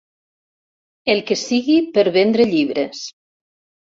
El que sigui per vendre llibres.